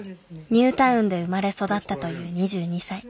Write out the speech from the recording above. ニュータウンで生まれ育ったという２２歳。